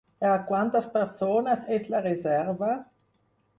Per a quantes persones és la reserva?